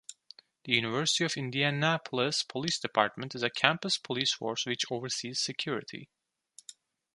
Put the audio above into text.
The University of Indianapolis Police Department is a campus police force which oversees security.